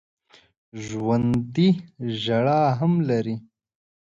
ژوندي ژړا هم لري